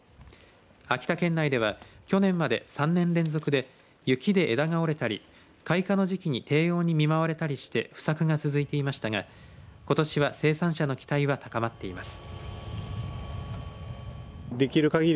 秋田県内では、去年まで３年連続で雪で枝が折れたり開花の時期に低温に見舞われたりして不作が続いていましたがことしは生産者の期待は高まっています。